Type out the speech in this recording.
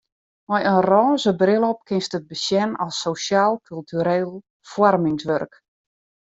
Mei in rôze bril op kinst it besjen as sosjaal-kultureel foarmingswurk.